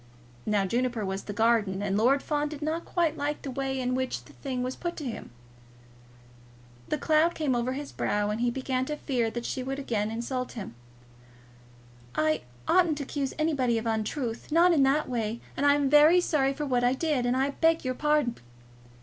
Now Juniper was the gardener, and Lord Fawn did not quite like the way in which the thing was put to him. The cloud came across his brow, and he began to fear that she would again insult him. "I oughtn't to accuse anybody of an untruth, not in that way; and I am very sorry for what I did, and I beg your pardon."